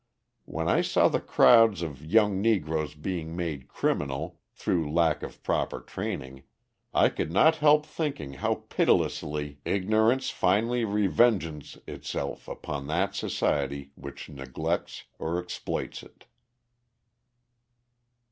When I saw the crowds of young Negroes being made criminal through lack of proper training I could not help thinking how pitilessly ignorance finally revenges itself upon that society which neglects or exploits it.